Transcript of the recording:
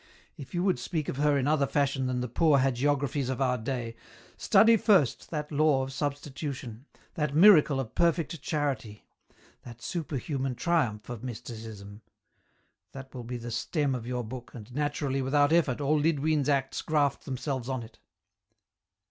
If you would speak of her in other fashion than the poor hagiographies of our day, study first that law of substitution, that miracle of perfect charity, that super human triumph of Mysticism ; that will be the stem of your book, and naturally, without effort, all Lidwine's acts graft themselves on it."